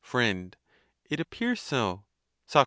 Το me it appears so. Soc.